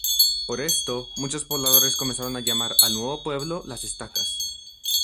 Por esto, muchos pobladores comenzaron a llamar al nuevo pueblo "Las Estacas".